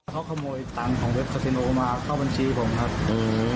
เขาขโมยตังค์ของเว็บคาซิโนมาเข้าบัญชีผมครับอืม